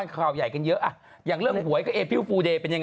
แล้วฟันน่าคอมยังยื่นอยู่ไหมค่ะของ